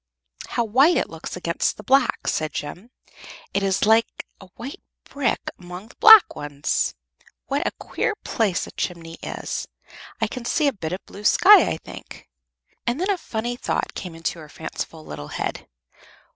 "How white it looks against the black!" said Jem; "it is like a white brick among the black ones. What a queer place a chimney is! I can see a bit of the blue sky, I think." And then a funny thought came into her fanciful little head.